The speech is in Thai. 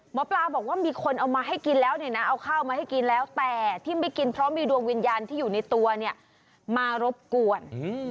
หมอปลาบอกว่ามีคนเอามาให้กินแล้วเนี่ยนะเอาข้าวมาให้กินแล้วแต่ที่ไม่กินเพราะมีดวงวิญญาณที่อยู่ในตัวเนี่ยมารบกวน